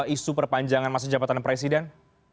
isu perpanjangan masa jabatan presiden